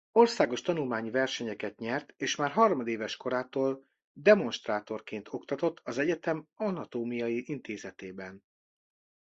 Országos tanulmányi versenyeket nyert és már harmadéves korától demonstrátorként oktatott az egyetem Anatómiai Intézetében.